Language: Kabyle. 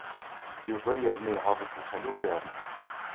Yuba yerna iɣaḍ-it lḥal ugar.